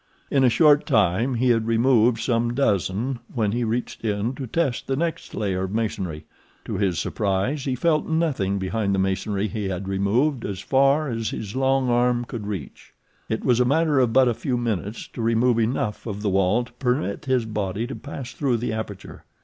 In a short time he had removed some dozen, when he reached in to test the next layer of masonry. To his surprise, he felt nothing behind the masonry he had removed as far as his long arm could reach. It was a matter of but a few minutes to remove enough of the wall to permit his body to pass through the aperture.